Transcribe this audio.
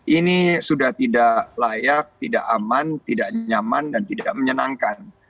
ini sudah tidak layak tidak aman tidak nyaman dan tidak menyenangkan